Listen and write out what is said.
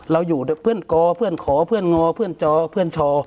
เราอยู่เพื่อนกอเพื่อนขอเพื่อนงอเพื่อนจอเพื่อนชอ